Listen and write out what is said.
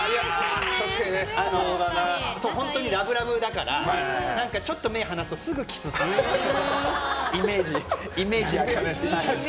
本当にラブラブだからちょっと目を離すとすぐキスするイメージあります。